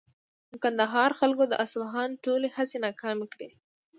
د کندهار خلکو د اصفهان ټولې هڅې ناکامې کړې.